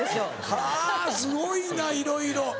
はぁすごいないろいろ。